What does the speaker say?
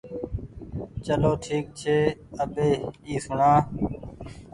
چلو ٺيڪ ڇي اٻي اي سوڻآ